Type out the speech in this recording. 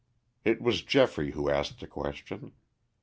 It was Geoffrey who asked the question.